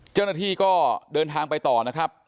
เจ้าหน้าที่ก็เดินทางไปต่อนะครับ